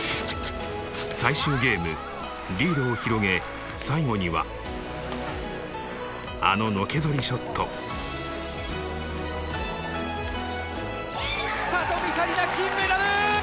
最終ゲームリードを広げ最後にはあののけぞりショット里見紗李奈金メダル！